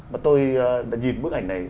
mà tôi đã nhìn bức ảnh này